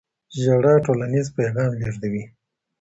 ژړا ټولنیز پیغام لېږدوي.